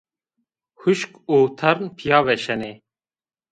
Huşk û tern pîya veşenê